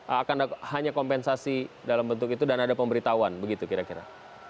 akan hanya kompensasi dalam bentuk itu dan ada pemberitahuan begitu kira kira